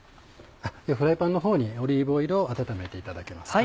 フライパンのほうにオリーブオイルを温めていただけますか？